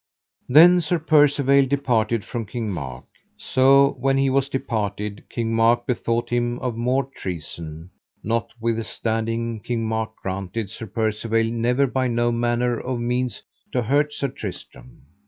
Then Sir Percivale departed from King Mark. So when he was departed King Mark bethought him of more treason: notwithstanding King Mark granted Sir Percivale never by no manner of means to hurt Sir Tristram.